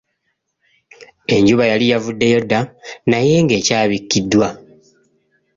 Enjuba yali yavuddeyo dda naye ng'ekyabikkiddwa.